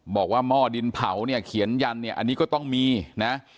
หม้อดินเผาเนี่ยเขียนยันเนี่ยอันนี้ก็ต้องมีนะ